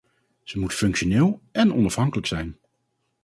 Ze moet functioneel en onafhankelijk zijn.